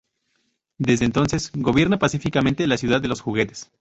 Desde entonces gobierna pacíficamente la ciudad de los juguetes.